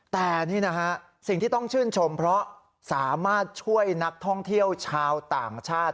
แต่นี่นะฮะสิ่งที่ต้องชื่นชมเพราะสามารถช่วยนักท่องเที่ยวชาวต่างชาติ